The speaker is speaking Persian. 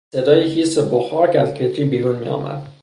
صدای هیس بخار که از کتری بیرون میآمد